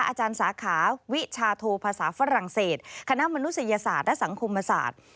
อาจารย์สาขาวิชาโทภาษาฝรั่งเศสคณะมนุษยศาสตร์และสังคมศาสตร์